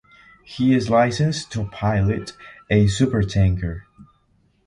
He is licensed to pilot a supertanker.